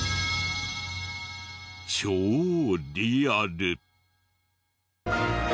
超リアル。